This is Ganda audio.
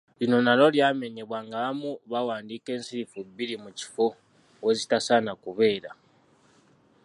Lino nalyo lyamenyebwa ng'abamu bawandiika ensirifu bbiri mu kifo we zitasaana kubeera.